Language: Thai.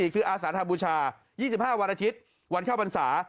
คืออาสานหบูชา๒๕วันอาทิตย์วันเข้าพรรษา